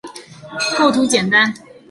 构图简单